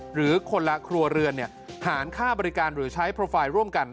หรือคนละครัวเรือนหารค่าบริการหรือใช้โปรไฟล์ร่วมกัน